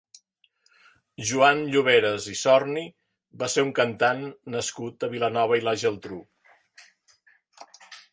Joan Lloveras i Sorni va ser un cantant nascut a Vilanova i la Geltrú.